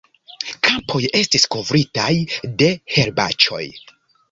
Kampoj estis kovritaj de herbaĉoj.